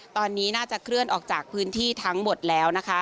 ตอนนี้น่าจะเคลื่อนออกจากพื้นที่ทั้งหมดแล้วนะคะ